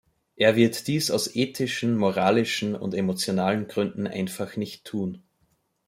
Er wird dies aus ethischen, moralischen und emotionalen Gründen einfach nicht tun.